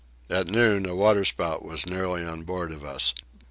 At noon a water spout was very near on board of us.